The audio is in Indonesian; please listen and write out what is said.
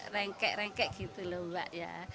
rengkek rengkek gitu loh mbak ya